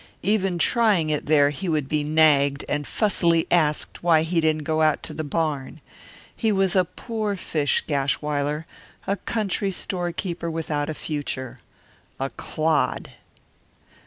Even trying it there he would be nagged, and fussily asked why he didn't go out to the barn. He was a poor fish, Gashwiler; a country storekeeper without a future. A clod!